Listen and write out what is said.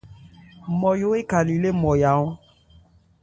Nmɔyo ékhali lê Nmɔya ɔ́n.